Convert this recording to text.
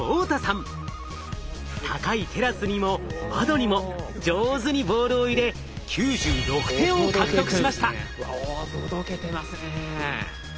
高いテラスにも窓にも上手にボールを入れ９６点を獲得しました。